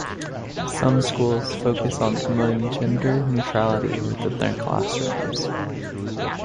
Some schools focus on promoting gender neutrality within the classroom.